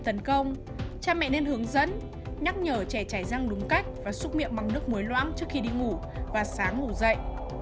cha tấn công cha mẹ nên hướng dẫn nhắc nhở trẻ chảy răng đúng cách và xúc miệng bằng nước muối loãng trước khi đi ngủ và sáng ngủ dậy